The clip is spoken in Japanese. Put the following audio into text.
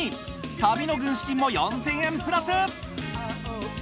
旅の軍資金も４，０００円プラス！